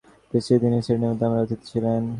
ডেট্রয়েটে তিনি সেনেটর পামারের অতিথি ছিলেন।